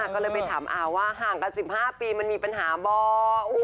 ก็เลยไปถามเอ่าว่าห่างกันสิบห้าปีมันมีปัญหาเมาะ